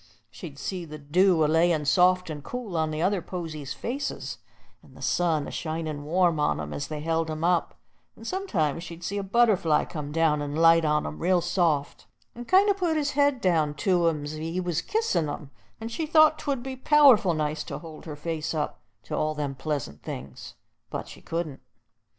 She'd see the dew a layin' soft and cool on the other posies' faces, and the sun a shinin' warm on 'em as they held 'em up, and sometimes she'd see a butterfly come down and light on 'em real soft, and kind o' put his head down to 'em's if he was kissin' 'em, and she thought 'twould be powerful nice to hold her face up to all them pleasant things. But she couldn't.